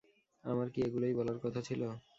আমার কি এগুলোই বলার কথা ছিল?